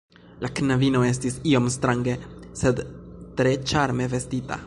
La knabino estis iom strange, sed tre ĉarme vestita.